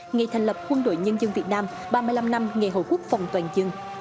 ngày thành lập quân đội nhân dân việt nam ba mươi năm năm nghệ hội quốc phòng toàn dân